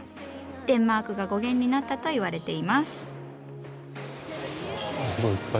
デンマークが語源になったと言われています。